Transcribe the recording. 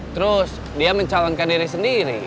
terus dia mencalonkan diri sendiri